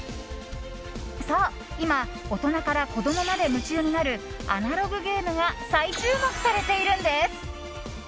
そう、今大人から子供まで夢中になるアナログゲームが再注目されているんです。